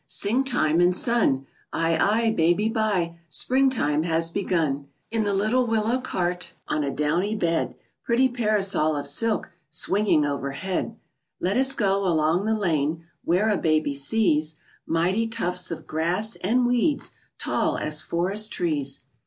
Sing time and sun! Aye, aye, baby bye, Springtime has begun! In the little willow cart, On a downy bed, Pretty parasol of silk Swinging overhead, Let us go along the lane Where a baby sees Mighty tufts of grass, and weeds Tall as forest trees!